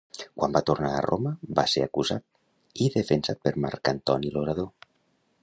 Quan va tornar a Roma va ser acusat, i defensat per Marc Antoni l'orador.